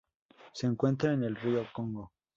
Se encuentra en el río Congo.